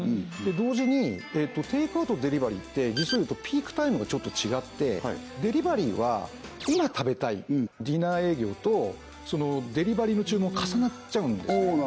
同時にテイクアウトとデリバリーって実を言うとピークタイムがちょっと違ってデリバリーは今食べたいディナー営業とデリバリーの注文重なっちゃうんですね